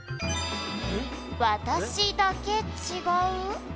「私だけ違う？」